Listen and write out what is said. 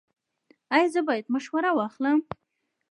ایا زه باید مشوره واخلم؟